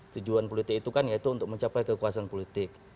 tujuan politik itu kan yaitu untuk mencapai kekuasaan politik